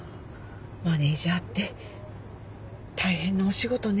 マネジャーって大変なお仕事ね。